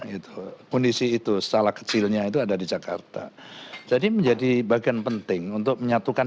itu kondisi itu skala kecilnya itu ada di jakarta jadi menjadi bagian penting untuk menyatukan